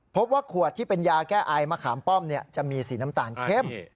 พบว่าขวดที่เป็นยาแก้ไอมะขามป้อมจะมีสีน้ำตาลเข้ม